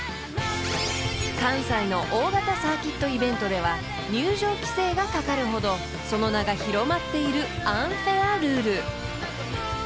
［関西の大型サーキットイベントでは入場規制がかかるほどその名が広まっているＵＮＦＡＩＲＲＵＬＥ］